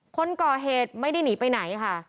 คนก่อเหตุไม่ได้หนีไปไหนค่ะ